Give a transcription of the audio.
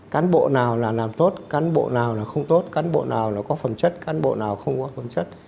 cán bộ nào là làm tốt cán bộ nào là không tốt cán bộ nào là có phẩm chất cán bộ nào không có phẩm chất